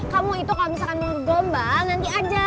kamu itu kalo misalkan mau bergombang nanti aja